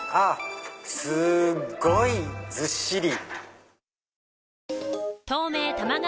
すごいずっしり！